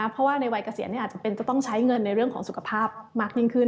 เพราะว่าในวัยเกษียณอาจจะต้องใช้เงินในเรื่องของสุขภาพมากยิ่งขึ้น